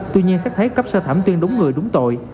tuy nhiên xét thấy cấp sơ thẩm tuyên đúng người đúng tội